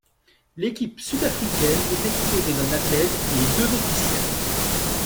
L'équipe sud-africaine était composée d'un athlète et deux officiels.